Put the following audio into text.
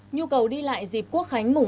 nhu cầu đi lại dịp quốc khánh mủ hai tháng chín